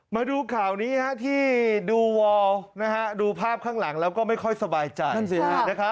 มาดูข่าวนี้ที่ดูวอลดูภาพข้างหลังแล้วก็ไม่ค่อยสบายใจ